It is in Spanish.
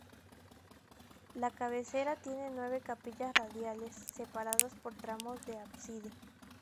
La cabecera tiene nueve capillas radiales separadas por tramos de ábside.